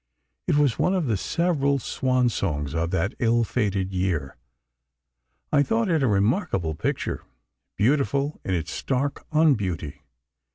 It was one of the several "swan songs" of that ill fated year. I thought it a remarkable picture—beautiful in its stark un beauty.